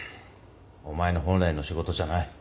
お前の本来の仕事じゃない。